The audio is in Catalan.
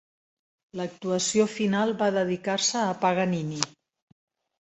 L'actuació final va dedicar-se a Paganini.